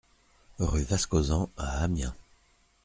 Rue Vascosan à Amiens